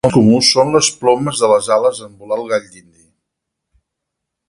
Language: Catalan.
El més comú són les plomes de les ales en volar el gall d"indi.